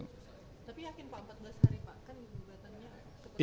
tapi yakin pak empat belas hari pak kan